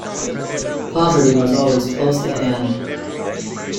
Poverty was always close at hand.